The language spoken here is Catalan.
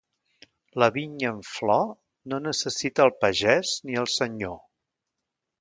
La vinya en flor no necessita el pagès ni el senyor.